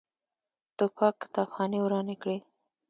توپک کتابخانې ورانې کړي.